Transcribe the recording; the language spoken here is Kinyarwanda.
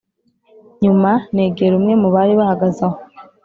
Nyuma negera umwe mu bari bahagaze aho